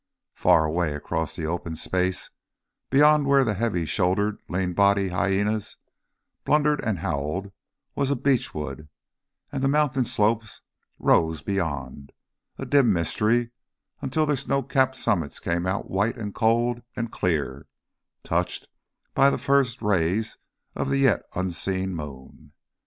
Far away across the open space beyond where the heavy shouldered, lean bodied hyænas blundered and howled, was a beechwood, and the mountain slopes rose beyond, a dim mystery, until their snow capped summits came out white and cold and clear, touched by the first rays of the yet unseen moon.